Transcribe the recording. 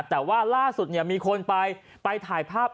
แต่ว่าล่าสุดเนี่ยมีคนไปไปถ่ายภาพ